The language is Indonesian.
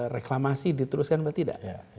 reklamasi dituluskan atau tidak